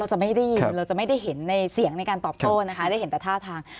จะไม่ได้ยินเราจะไม่ได้เห็นในเสียงในการตอบโต้นะคะได้เห็นแต่ท่าทาง